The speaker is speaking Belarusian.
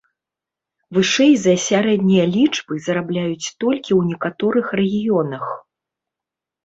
Вышэй за сярэднія лічбы зарабляюць толькі ў некаторых рэгіёнах.